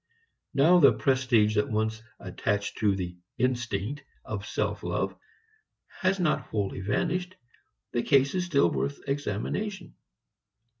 Now the prestige that once attached to the "instinct" of self love has not wholly vanished. The case is still worth examination.